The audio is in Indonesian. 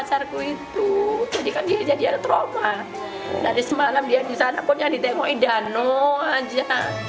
dari semalam dia di sana pun yang ditengokin danau aja